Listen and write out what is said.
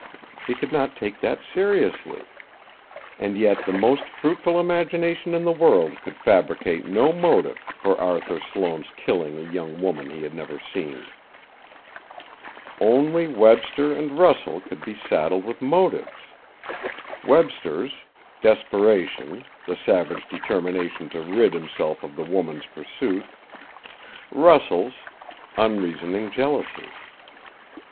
He could not take that seriously. And yet the most fruitful imagination in the world could fabricate no motive for Arthur Sloane's killing a young woman he had never seen. Only Webster and Russell could be saddled with motives: Webster's, desperation, the savage determination to rid himself of the woman's pursuit; Russell's, unreasoning jealousy.